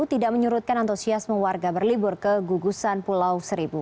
tidak menyurutkan antusiasme warga berlibur ke gugusan pulau seribu